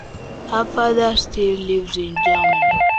Her father still lives in Germany.